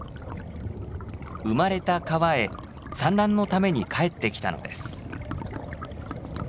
生まれた川へ産卵のために帰ってきたのです。